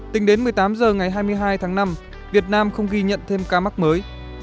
tính đến một mươi tám h ngày hai mươi hai tháng năm việt nam không ghi nhận thêm ca mắc mới